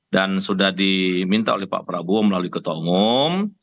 dan sudah diminta oleh pak prabowo melalui ketua umum